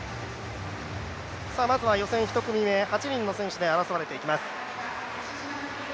まずは予選１組目、８人の選手で争われていきます。